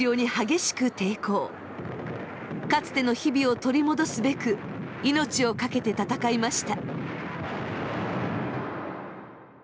かつての日々を取り戻すべく命を懸けて戦いました。